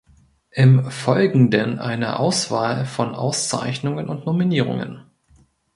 Im Folgenden eine Auswahl von Auszeichnungen und Nominierungen.